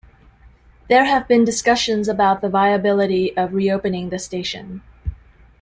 There have been discussions about the viability of re-opening the station.